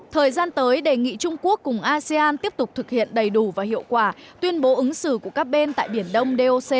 thời gian tới đề nghị trung quốc cùng asean tiếp tục thực hiện đầy đủ và hiệu quả tuyên bố ứng xử của các bên tại biển đông doc